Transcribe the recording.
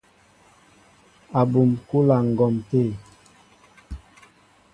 Abum kúla ŋgǒm té.